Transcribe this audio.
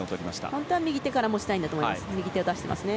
本当は右手から持ちたいんだと思います。